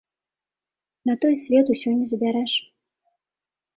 На той свет усё не забярэш.